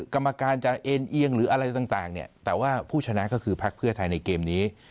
กรรมการจะเอ็นเอียงหรืออะไรต่างเนี่ยแต่ว่าผู้ชนะก็คือพักเพื่อไทยในเกมนี้